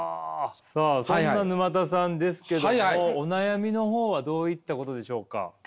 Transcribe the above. さあそんな沼田さんですけどもお悩みの方はどういったことでしょうか。